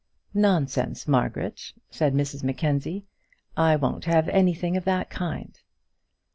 "Nonsense, Margaret," said Mrs Mackenzie; "I won't have anything of the kind."